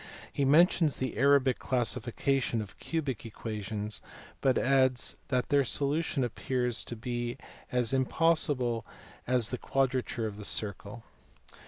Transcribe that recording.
He mentions the Arabic classification of cubic equations, but adds that their solution appears to be as im possible as the quadrature of the circle.